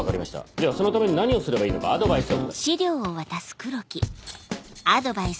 ではそのために何をすればいいのかアドバイスを。